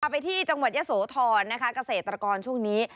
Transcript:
ไปที่จังหวัดยะโสธรนะคะเกษตรกรช่วงนี้